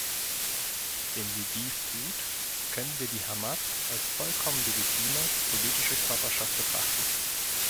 Wenn sie dies tut, können wir die Hamas als vollkommen legitime politische Körperschaft betrachten.